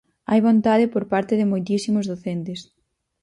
Hai vontade por parte de moitísimos docentes.